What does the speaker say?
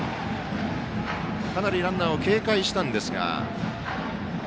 かなりランナーを警戒したんですが。